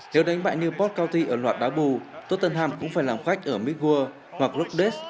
nếu đánh bại newport county ở loạt đá bù tottenham cũng phải làm khách ở midwood hoặc lugdes